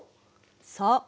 そう。